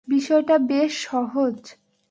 বিষয়টা বেশ সহজ।